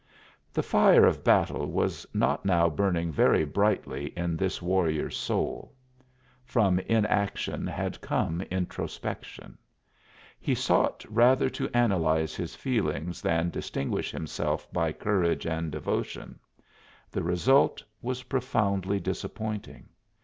The fire of battle was not now burning very brightly in this warrior's soul. From inaction had come introspection. He sought rather to analyze his feelings than distinguish himself by courage and devotion. The result was profoundly disappointing.